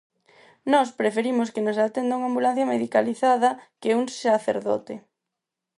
Nós preferimos que nos atenda unha ambulancia medicalizada que un sacerdote.